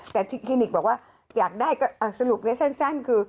แต่ที่คลินิกบอกว่าอยากได้ก็สรุปได้สั้นคือ